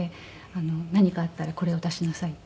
「何かあったらこれを出しなさい」って言って。